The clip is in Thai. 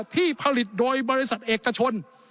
ที่ผลิตโดยบริษัทเอกชน